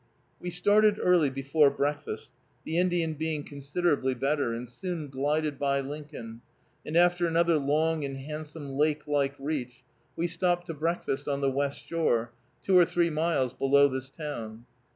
We started early before breakfast, the Indian being considerably better, and soon glided by Lincoln, and after another long and handsome lake like reach, we stopped to breakfast on the west shore, two or three miles below this town.